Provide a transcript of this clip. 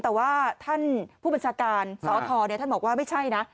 แต่ว่าท่านผู้บริษฐาการสธเนี่ยท่านบอกไม่ใช่นะ